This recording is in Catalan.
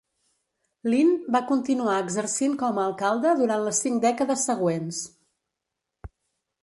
Linn va continuar exercint com a alcalde durant les cinc dècades següents.